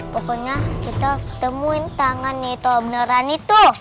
pokoknya kita harus temuin tangan nito beneran itu